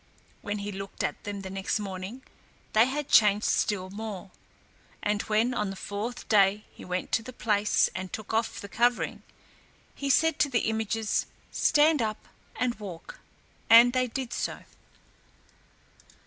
When he looked at them the next morning, they had changed still more; and when on the fourth day he went to the place and took off the covering, he said to the images, "Stand up and walk," and they did so.